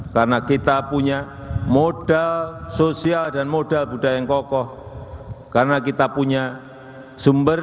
karena kita punya modal sosial dan modal budaya yang kokoh karena kita punya sumber